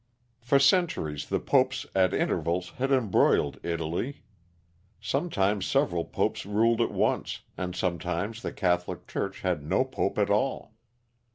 "For centuries the popes at intervals had embroiled Italy. Sometimes several popes ruled at once, and sometimes the Catholic Church had no pope at all.